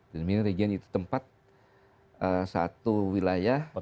the winning region itu tempat satu wilayah yang